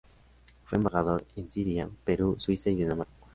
Fue embajador en Siria, Perú, Suiza y Dinamarca.